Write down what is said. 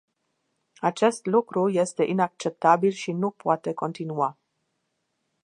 Acest lucru este inacceptabil și nu poate continua.